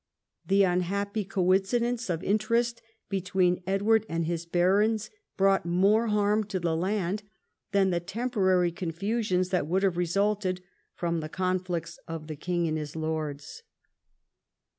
The unhappy coincidence of interest between Edward and his barons brought more harm to the land than the temporary confusions that would have resulted from the conflicts of the king and his lords.